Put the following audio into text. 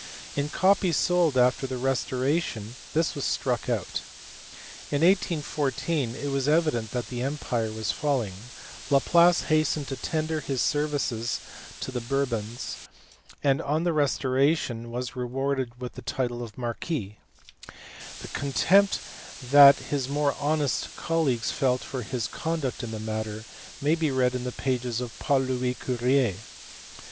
In copies sold after the restoration this was struck out. In 1814 it was evident that the empire was falling; Laplace hastened to tender his services to the Bourbons, and on the restoration was rewarded with the title of marquis : the contempt that his more honest colleagues felt for his conduct in the matter may be read in the pages of Paul Louis Courier.